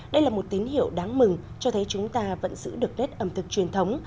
đây là một tín hiệu đáng mừng cho thấy chúng ta vẫn giữ được nét ẩm thực truyền thống